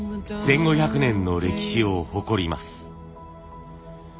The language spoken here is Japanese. １，５００年の歴史を誇ります。